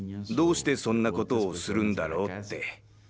どうしてそんなことをするんだろうって。